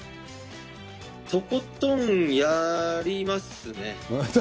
とことんやりますね。